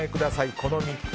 この３つ。